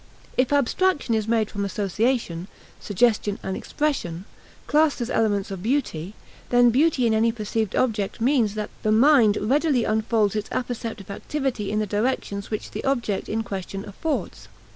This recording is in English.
If abstraction is made from association, suggestion, and "expression," classed as elements of beauty, then beauty in any perceived object means that the mind readily unfolds its apperceptive activity in the directions which the object in question affords.